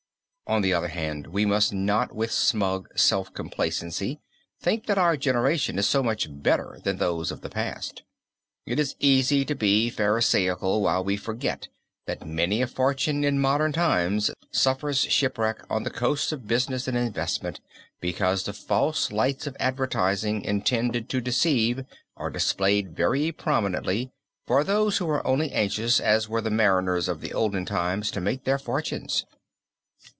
On the other hand we must not with smug self complacency think that our generation is so much better than those of the past. It is easy to be pharisaical while we forget that many a fortune in modern times suffers shipwreck on the coasts of business and investment, because the false lights of advertising intended to deceive, are displayed very prominently, for those who are only anxious as were the mariners of the olden times to make their fortunes.